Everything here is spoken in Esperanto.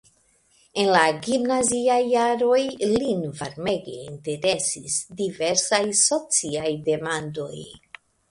En la gimnaziaj jaroj lin varmege interesis diversaj sociaj demandoj.